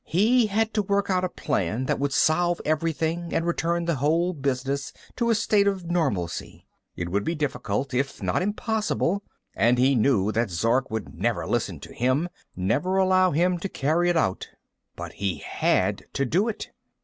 He had to work out a plan that would solve everything and return the whole business to a state of normalcy. It would be difficult, if not impossible, and he knew that Zark would never listen to him, never allow him to carry it out. But he had to do it.